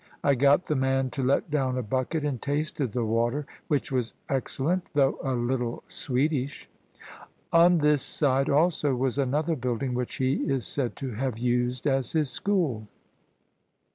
I got the man to let down a bucket and tasted the water, which was excellent, though a little sweetish. On this side also was another building which he is said to have used as his school.